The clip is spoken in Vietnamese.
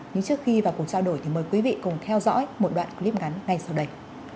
nhưng trước khi vào cuộc trao đổi thì mời quý vị cùng theo dõi một đoạn clip ngắn ngay sau đây